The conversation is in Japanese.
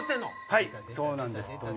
はいそうなんです。